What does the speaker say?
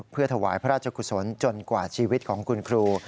เพื่อถวายพระราชกุศลจนกว่าชีวิตของคุณครู